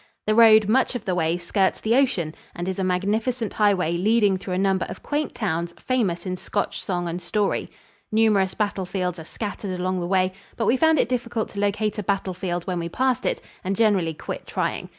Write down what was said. The road much of the way skirts the ocean and is a magnificent highway leading through a number of quaint towns famous in Scotch song and story. Numerous battlefields are scattered along the way, but we found it difficult to locate a battlefield when we passed it, and generally quit trying.